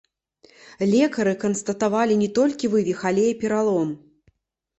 Лекары канстатавалі не толькі вывіх, але і пералом.